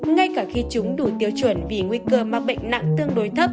ngay cả khi chúng đủ tiêu chuẩn vì nguy cơ mắc bệnh nặng tương đối thấp